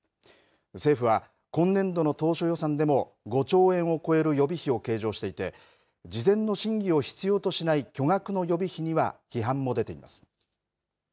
政府は、今年度の当初予算でも５兆円を超える予備費を計上していて事前の審議を必要としない巨額の予備費には批判も出ています。